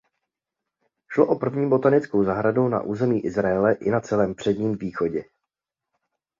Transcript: Šlo o první botanickou zahradu na území Izraele i na celém Předním Východě.